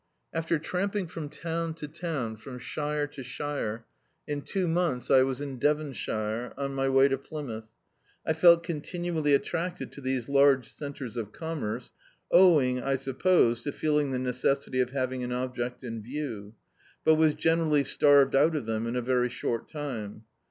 After tramping from town to town, from shire to shire, in two months I was in Devonshire, on my way to Plymouth. I felt continually attracted to these large centres of commerce, owing, I suppose, to feeling the necessity of having an object in view; but was generally surved out of them in a very short time.